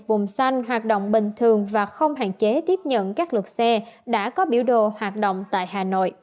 vùng xanh hoạt động bình thường và không hạn chế tiếp nhận các lượt xe đã có biểu đồ hoạt động tại hà nội